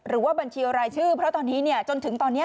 หรือว่าบัญชีอะไรชื่อเพราะตอนนี้จนถึงตอนนี้